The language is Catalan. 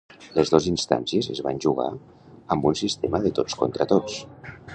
Les dos instàncies es van jugar amb un sistema de tots contra tots.